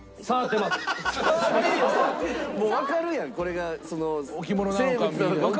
もうわかるやんこれが生物なのか置物なのか。